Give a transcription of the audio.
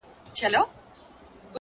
روښانه هدف روښانه لاره جوړوي